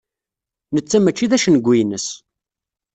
Netta mačči d acengu-ines.